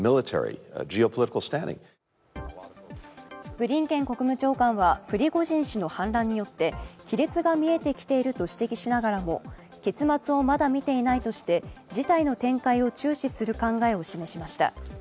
ブリンケン国務長官はプリゴジン氏の反乱によって亀裂が見えてきていると指摘しながらも結末をまだ見ていないとして事態の展開を注視する考えを示しました。